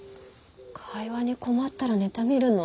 会話に困ったらネタ見るの？